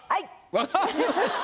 分かりました。